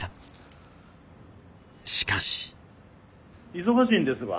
しかし。